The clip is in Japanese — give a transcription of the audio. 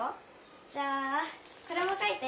じゃあこれも書いて。